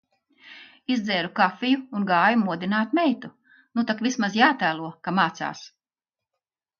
Izdzēru kafiju un gāju modināt meitu. Nu tak vismaz jātēlo, ka mācās.